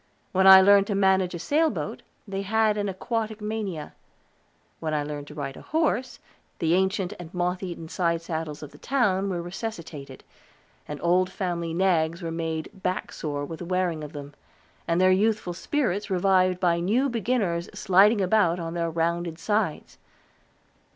When I learned to manage a sailboat, they had an aquatic mania. When I learned to ride a horse, the ancient and moth eaten sidesaddles of the town were resuscitated, and old family nags were made back sore with the wearing of them, and their youthful spirits revived by new beginners sliding about on their rounded sides.